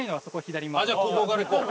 じゃあここから行こう。